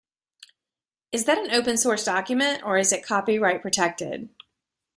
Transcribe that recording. Is that an open source document, or is it copyright-protected?